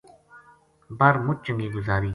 بر مُچ چنگی گزاری